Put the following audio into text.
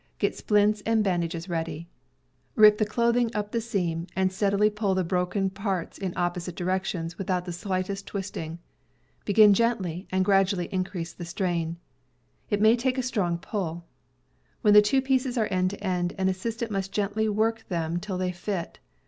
Get splints and bandages ready. Rip the clothing up the seam, and steadily pull the broken parts in opposite directions, without the slightest twisting. Begin gently, and gradually increase the strain. It may take a strong pull. When the two pieces are end to end, an assistant must gently work them till they fit.